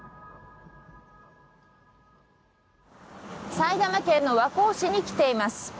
埼玉県の和光市に来ています。